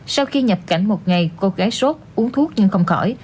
sau khi nhập cảnh một ngày cô gái sốt uống thuốc nhưng không khỏi